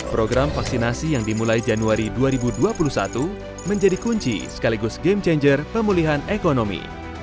program vaksinasi yang dimulai januari dua ribu dua puluh satu menjadi kunci sekaligus game changer pemulihan ekonomi